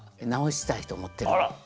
直したいと思ってるの。